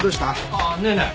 ああねえねえ。